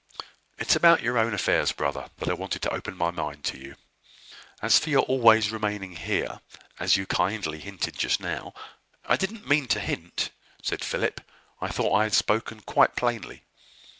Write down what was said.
It is about your own affairs, brother, that I want to open my mind to you. As for your always remaining here, as you kindly hinted just now " "I did not mean to hint," said Philip; "I thought I had spoken quite plainly."